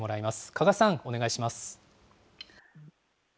加賀さん、お願いします。